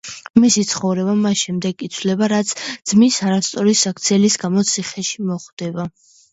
მისი ცხოვრება მას შემდეგ იცვლება, რაც ძმის არასწორი საქციელის გამო ციხეში მოხვდება.